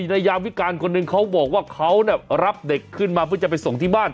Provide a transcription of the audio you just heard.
ในยามวิการคนหนึ่งเขาบอกว่าเขารับเด็กขึ้นมาเพื่อจะไปส่งที่บ้าน